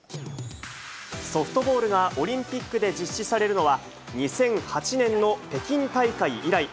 ソフトバールがオリンピックで実施されるのは、２００８年の北京大会以来。